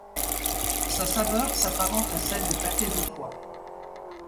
Sa saveur s'apparente à celle du pâté de foie.